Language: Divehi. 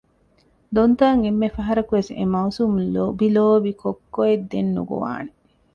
ދޮންތައަށް އެންމެ ފަހަރަކުވެސް އެ މައުސޫމު ލޮބިލޯބި ކޮއްކޮއެއް ދެން ނުގޮވާނެ